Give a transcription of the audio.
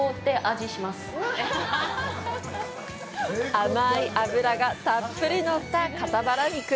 甘い脂がたっぷり乗った肩バラ肉。